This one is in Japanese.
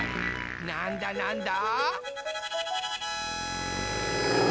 なんだなんだ？